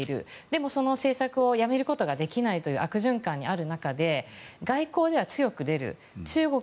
でも、その政策をやめることができないという悪循環にある中で外交では強く出る。